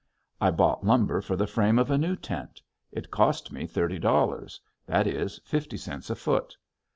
I bought lumber for the frame of a new tent. It cost me thirty dollars; that is, fifty cents a foot.